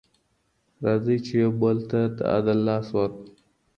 راځئ چي یو بل ته د عدل لاس ورکړو.